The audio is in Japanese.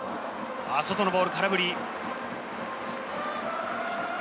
外のボール、空振り。